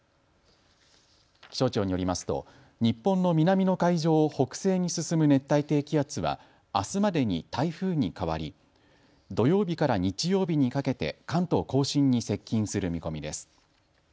気象庁によりますと日本の南の海上を北西に進む熱帯低気圧はあすまでに台風に変わり土曜日から日曜日にかけて関東甲信に接近する見込みです。